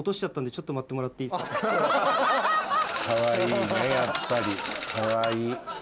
かわいいねやっぱりかわいい。